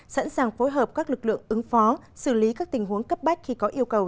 sẵn sàng phối hợp các lực lượng ứng phó xử lý các tình huống cấp bách khi có yêu cầu